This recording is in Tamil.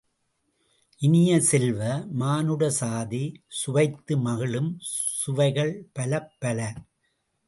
இனிய செல்வ, மானுட சாதி சுவைத்து மகிழும் சுவைகள் பலப்பல.